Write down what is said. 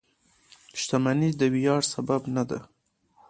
• شتمني د ویاړ سبب نه ده.